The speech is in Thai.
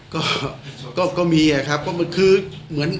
ช่อง๗มียืมไหมคะในปลายเรืออะไรอย่างนี้